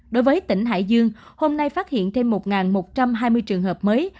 đối với tỉnh hải dương hôm nay phát hiện thêm một một trăm hai mươi trường hợp mới